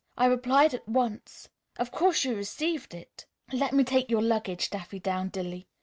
I replied at once. Of course you received it?" "Let me take your luggage, Daffydowndilly."